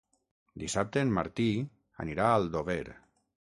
Dissabte en Martí anirà a Aldover.